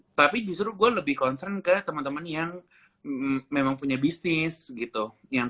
main gitu tapi justru gua lebih concern ke teman teman yang memang punya bisnis gitu yang